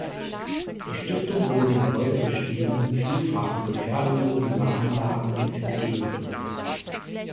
Die Stiftung will den heute bestehenden vielfachen Gefährdungen dieser Anlagen entgegenwirken.